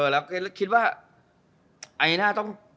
แล้วคิดว่าอันนี้หน้าต้อง